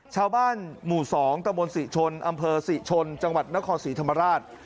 ชาวบ้านหมู่๒ตะมนต์ศรีชนอำเภอศรีชนจังหวัดนครศรีธรรมราช